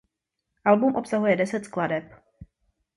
Album obsahuje deset skladeb.